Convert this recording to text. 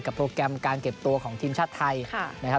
กับโปรแกรมการเก็บตัวของทีมชาติไทย